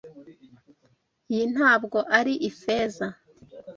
Iyi ntabwo ari ifeza.